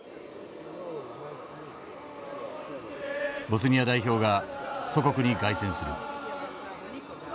ボスニア代表が祖国に凱旋する。